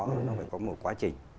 nó phải có một quá trình